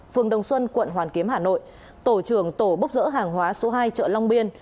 phường đồng xuân quận hoàn kiếm hà nội tổ trưởng tổ bốc dỡ hàng hóa số hai chợ long biên